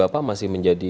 apakah itu jadi